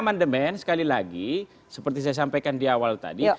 jangan sampai lagi seperti saya sampaikan di awal tadi